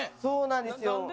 そうなんですよ。